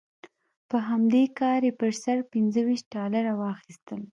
په همدې کار یې پر سر پنځه ویشت ډالره واخیستل.